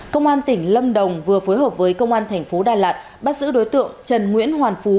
công an tỉnh lâm đồng vừa phối hợp với công an thành phố đà lạt bắt giữ đối tượng trần nguyễn hoàn phú